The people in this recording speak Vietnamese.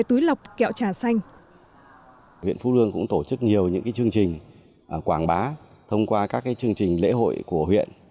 huyện phú lương cũng tổ chức nhiều những chương trình quảng bá thông qua các chương trình lễ hội của huyện